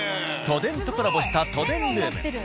都電とコラボした都電ルーム。